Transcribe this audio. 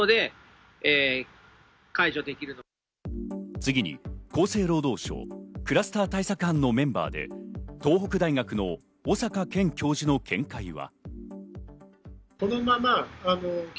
次に厚生労働省クラスター対策班のメンバーで東北大学の小坂健教授の見解は。